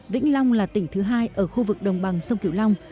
vĩnh long là tỉnh thứ hai ở khu vực đồng bằng sông kiểu long